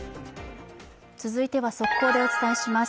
続いては速報でお伝えします。